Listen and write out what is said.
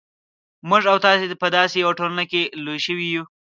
موږ او تاسې په داسې یوه ټولنه کې لوی شوي یو.